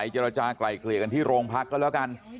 เจรจากลายเกลี่ยกันที่โรงพักก็แล้วกัน